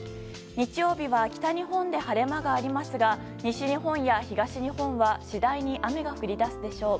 日曜日は北日本で晴れ間がありますが西日本や東日本は次第に雨が降り出すでしょう。